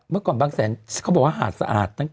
เมื่อก่อนบางแสนเขาบอกว่าหาดสะอาด